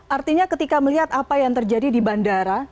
artinya ketika melihat apa yang terjadi di bandara